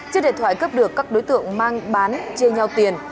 chiếc điện thoại cấp được các đối tượng mang bán chia nhau tiền